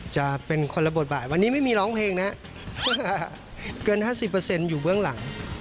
จะเป็นคนละบทบาทวันนี้ไม่มีร้องเพลงนะเกินห้าสิบเปอร์เซ็นต์อยู่เบื้องหลัง